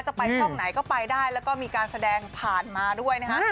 จะไปช่องไหนก็ไปได้แล้วก็มีการแสดงผ่านมาด้วยนะฮะ